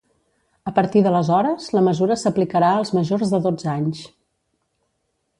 A partir d’aleshores, la mesura s’aplicarà als majors de dotze anys.